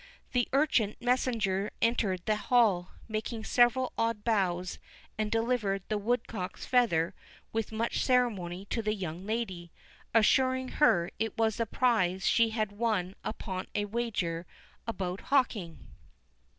The urchin messenger entered the hall, making several odd bows, and delivered the woodcock's feather with much ceremony to the young lady, assuring her it was the prize she had won upon a wager about hawking.